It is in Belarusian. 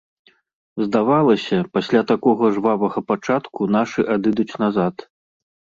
Здавалася, пасля такога жвавага пачатку нашы адыдуць назад.